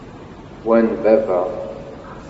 Wa n baba.